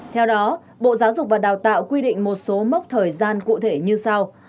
theo đó bộ giáo dục và đào tạo quy định một số mốc thời gian cụ thể như sau